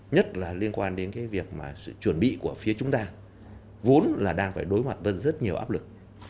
nhất là liên quan đến việc chuẩn bị của phía chúng ta vốn là đang phải đối mặt với rất nhiều áp lực